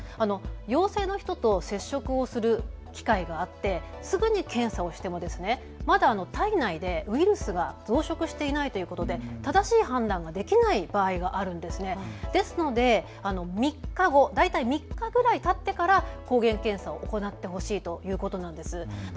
陽性の人と接触する機会があってすぐに検査をしてもまだ体内でウイルスが増殖していないということで正しい判断ができない場合がある、ですので３日後、３日くらいたったあと、抗原検査をしてほしいということなんです。